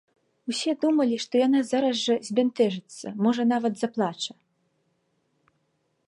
Усе думалі, што яна зараз жа збянтэжыцца, можа, нават заплача.